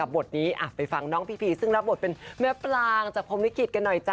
บทนี้ไปฟังน้องพีพีซึ่งรับบทเป็นแม่ปลางจากพรมลิขิตกันหน่อยจ้